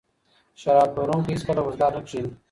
شراب پلورونکی هیڅکله وزګار نه کښیني.